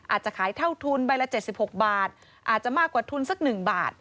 อาจจะขายเท่าทุนใบละ๗๖บาทอาจจะมากกว่าทุนสัก๑บาท